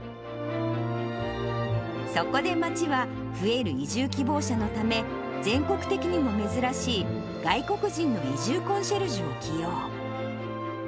そこで町は、増える移住希望者のため、全国的にも珍しい、外国人の移住コンシェルジュを起用。